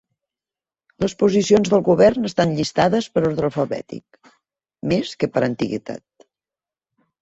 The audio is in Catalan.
Les posicions del govern estan llistades per ordre alfabètic, més que per antiguitat.